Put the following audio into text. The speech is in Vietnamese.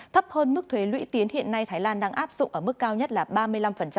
thấp hơn mức thuế lũy tiến hiện nay thái lan đang áp dụng ở mức cao nhất là ba mươi năm